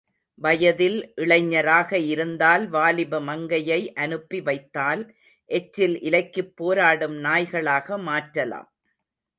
வயதில் இளைஞராக இருந்தால் வாலிப மங்கையை அனுப்பி வைத்தால் எச்சில் இலைக்குப் போராடும் நாய்களாக மாற்றலாம்.